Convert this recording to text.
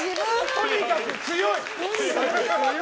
とにかく強い。